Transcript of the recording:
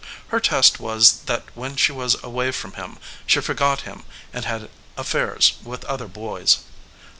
Her test was that when she was away from him she forgot him and had affairs with other boys.